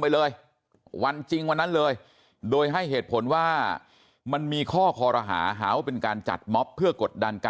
ไปเลยวันจริงวันนั้นเลยโดยให้เหตุผลว่ามันมีข้อคอรหาว่าเป็นการจัดม็อบเพื่อกดดันกัน